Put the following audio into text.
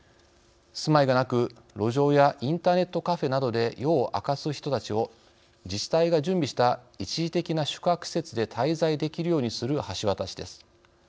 住まいがなく、路上やインターネットカフェなどで夜を明かす人たちを自治体が準備した一時的な宿泊施設で滞在できるようにする橋渡しです。